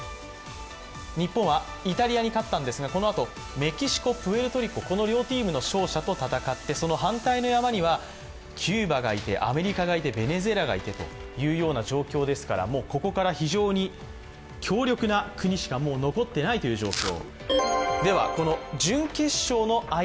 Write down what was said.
日本はイタリアに勝ったんですが、メキシコ、プエルトリコ、この両チームの勝者と戦って、その反対の山にはキューバがいて、アメリカがいてベネズエラがいてという状況ですからここから非常に強力な国しかもう残ってないという状況。